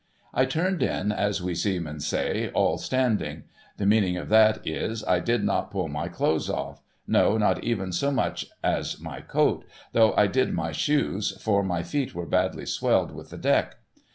I turned in, as we seamen say, all standing. The meaning of that is, I did not pull my clothes off — no, not even so much as my coat : though I did my shoes, for my feet were badly swelled with the deck.